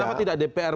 kenapa tidak dpr